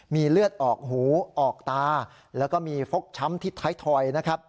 มีเลือดออกหูออกตาแล้วก็มีฟกช้ำที่ท้ายถอยนะครับ